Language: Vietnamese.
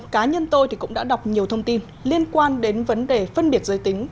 cá nhân tôi thì cũng đã đọc nhiều thông tin liên quan đến vấn đề phân biệt giới tính